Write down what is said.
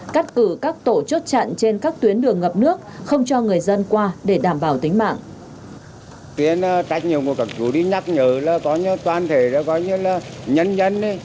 cắt cử các tổ chốt chặn trên các tuyến đường ngập nước không cho người dân qua để đảm bảo tính mạng